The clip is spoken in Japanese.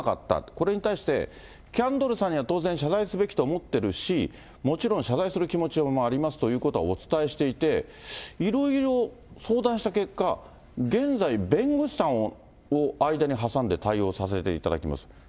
これに対して、キャンドルさんには当然、謝罪すべきと思ってるし、もちろん謝罪する気持ちはありますということはお伝えしていて、いろいろ相談した結果、現在、弁護士さんを間に挟んで対応させていただいています。